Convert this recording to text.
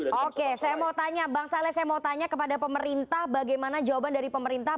oke saya mau tanya bang saleh saya mau tanya kepada pemerintah bagaimana jawaban dari pemerintah